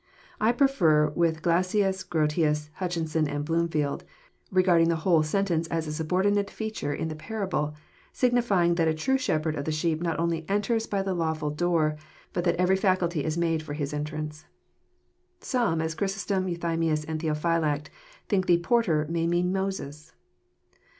I prefer, with Glassius, Grotius, Hutcheson, and Bloomfleld, regarding the whole sentence as a subordinate feature in the parable, signify ing that a true shepherd of sheep not only enters by the lawlUl door, but that every facility is made for his entrance. Some, as Chrysostom, Euthymius, and Theophylact, think the "porter" may mean "Moses."